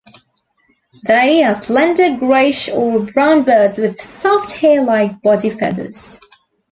They are slender greyish or brown birds with soft, hairlike body feathers.